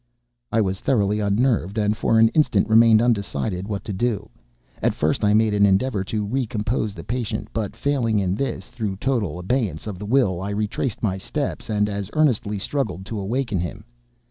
I was thoroughly unnerved, and for an instant remained undecided what to do. At first I made an endeavor to recompose the patient; but, failing in this through total abeyance of the will, I retraced my steps and as earnestly struggled to awaken him.